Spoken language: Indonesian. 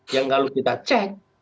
yang kalau kita cek